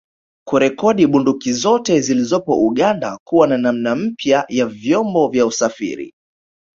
Kurekodi bunduki zote zilizopo Uganda kuwa na namna mpya ya vyombo vya usafiri